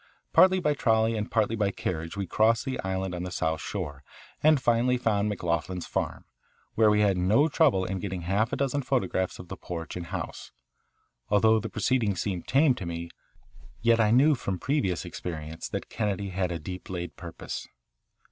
Partly by trolley and partly by carriage we crossed the island to the south shore, and finally found McLoughlin's farm, where we had no trouble in getting half a dozen photographs of the porch and house. Altogether the proceedings seemed tame to me, yet I knew from previous experience that Kennedy had a deep laid purpose.